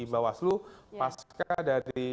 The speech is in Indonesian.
bawaslu pasca dari